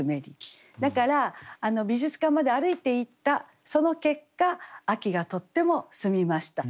だから美術館まで歩いていったその結果秋がとっても澄みました。